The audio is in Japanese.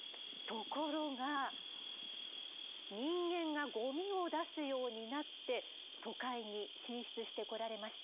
ところが人間がゴミを出すようになって都会に進出してこられました。